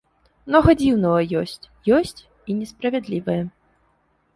Многа дзіўнага ёсць, ёсць і несправядлівае.